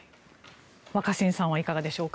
若新さんはいかがでしょうか。